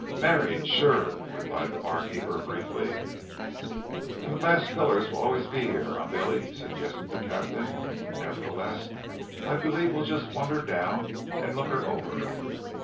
"Married; sure," replied the barkeeper briefly. "And the glass pillars will always be here; eh, Billy?" suggested the captain. "Nevertheless I believe we'll just wander down and look her over."